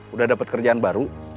udah dapet kerjaan baru